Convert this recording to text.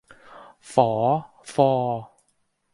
ฝอ ฟอ